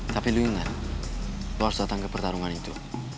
tapi lu inget lo harus datang ke pertarungan itu